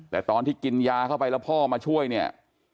แต่ตอนที่กินยาเข้าไปแล้วพ่อมาช่วยเนี่ย